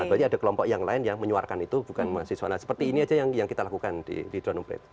berarti ada kelompok yang lain yang menyuarkan itu bukan mahasiswa nah seperti ini aja yang kita lakukan di drone emplate